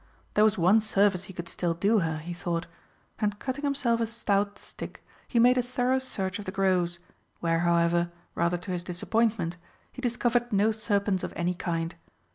There was one service he could still do her, he thought, and, cutting himself a stout stick, he made a thorough search of the groves, where however, rather to his disappointment, he discovered no serpents of any kind.